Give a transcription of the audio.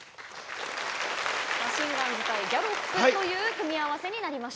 マシンガンズ対ギャロップという組み合わせになりました。